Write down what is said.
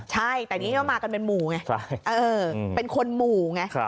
ใช่แต่นี่ก็มากันเป็นหมู่ไงเป็นคนหมู่ไง